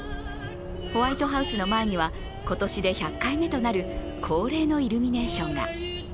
ホワイトハウスの前には今年で１００回目となる恒例のイルミネーションが。